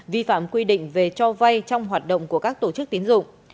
vi phạm quy định về cho vay trong hoạt động của các tổ chức tiến dụng